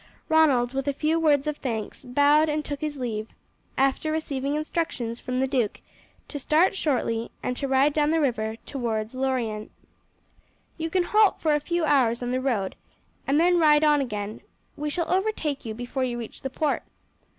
Ronald with a few words of thanks bowed and took his leave, after receiving instructions from the duke to start shortly and to ride down the river towards Lorient. "You can halt for a few hours on the road, and then ride on again; we shall overtake you before you reach the port.